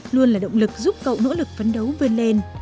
luôn là động lực giúp cậu nỗ lực phấn đấu vươn lên